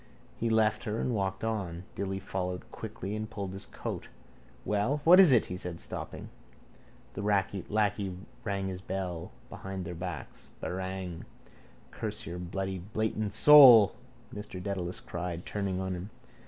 He left her and walked on. Dilly followed quickly and pulled his coat. —Well, what is it? he said, stopping. The lacquey rang his bell behind their backs. —Barang! —Curse your bloody blatant soul, Mr Dedalus cried, turning on him.